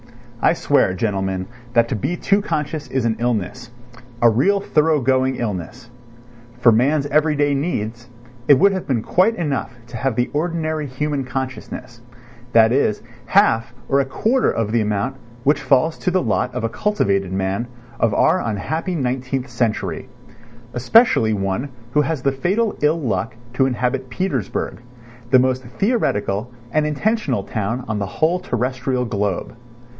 I swear, gentlemen, that to be too conscious is an illness—a real thorough going illness. For man's everyday needs, it would have been quite enough to have the ordinary human consciousness, that is, half or a quarter of the amount which falls to the lot of a cultivated man of our unhappy nineteenth century, especially one who has the fatal ill luck to inhabit Petersburg, the most theoretical and intentional town on the whole terrestrial globe.